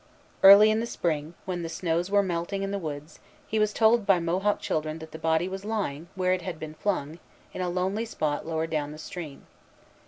Early in the spring, when the snows were melting in the woods, he was told by Mohawk children that the body was lying, where it had been flung, in a lonely spot lower down the stream.